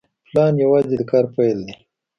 پلان یوازې د کار پیل دی.